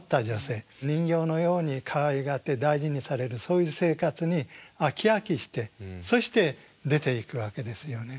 人形のようにかわいがって大事にされるそういう生活に飽き飽きしてそして出ていくわけですよね。